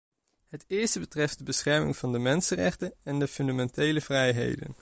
Het eerste betreft de bescherming van de mensenrechten en de fundamentele vrijheden.